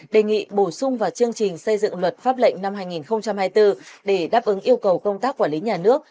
đề nghị bổ sung vào chương trình xây dựng luật pháp lệnh năm hai nghìn hai mươi bốn để đáp ứng yêu cầu công tác quản lý nhà nước